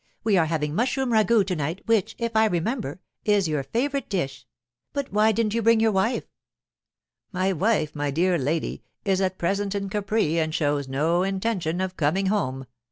We are having mushroom ragoût to night, which, if I remember, is your favourite dish—but why didn't you bring your wife?' 'My wife, my dear lady, is at present in Capri and shows no intention of coming home.